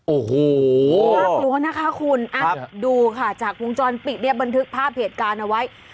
โอ้โหน่ากลัวนะคะคุณดูค่ะจากวงจรปิดเนี่ยบันทึกภาพเหตุการณ์เอาไว้